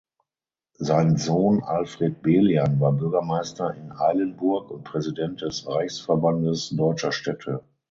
Sein Sohn Alfred Belian war Bürgermeister in Eilenburg und Präsident des Reichsverbandes Deutscher Städte.